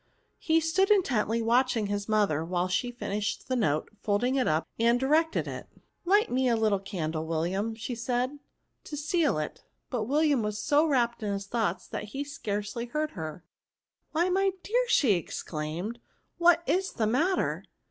He stood intently watching his mother while she finished the note, folded it up, and directed it. F 158 NOUNS. " Light me the little candle, William/* said she, " to seal it" But William was so wrapped in his thoughts, that he scarcely heard her. " Why, my dear," exclaimed she, " what is the matter